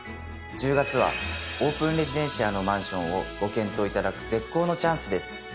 １０月はオープンレジデンシアのマンションをご検討いただく絶好のチャンスです。